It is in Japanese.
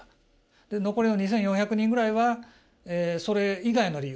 残りの２，４００人ぐらいはそれ以外の理由。